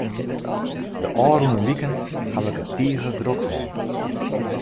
De ôfrûne wiken haw ik it tige drok hân.